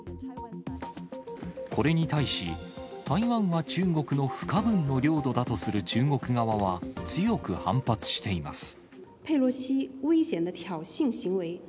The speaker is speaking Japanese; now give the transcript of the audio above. これに対し、台湾は中国の不可分の領土だとする中国側は強く反発しています。